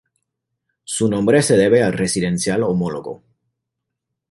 Su nombre se debe al residencial homólogo.